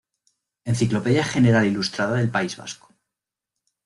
Enciclopedia general ilustrada del País Vasco.